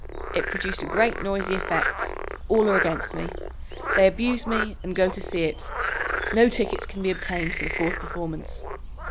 It produced a great noisy effect. All are against me... they abuse me and go to see it. No tickets can be obtained for the fourth performance."